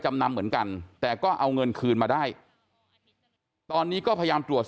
จำนำเหมือนกันแต่ก็เอาเงินคืนมาได้ตอนนี้ก็พยายามตรวจ